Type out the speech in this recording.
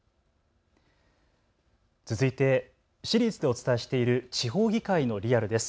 続いてシリーズでお伝えしている地方議会のリアルです。